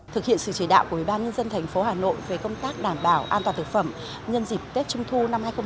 thực hiện sự chỉ đạo của ubnd tp hà nội về công tác đảm bảo an toàn thực phẩm nhân dịp tết trung thu hai nghìn một mươi tám